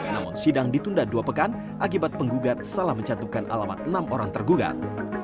namun sidang ditunda dua pekan akibat penggugat salah mencatumkan alamat enam orang tergugat